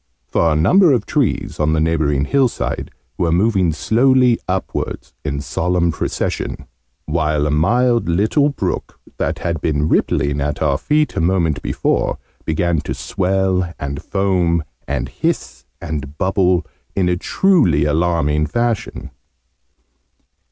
For a number of trees, on the neighbouring hillside, were moving slowly upwards, in solemn procession: while a mild little brook, that had been rippling at our feet a moment before, began to swell, and foam, and hiss, and bubble, in a truly alarming fashion.